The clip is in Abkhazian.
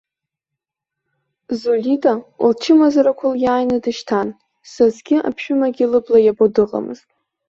Зулита лчымазарақәа лиааины дышьҭан, сасгьы аԥшәымагьы лыбла иабо дыҟамызт.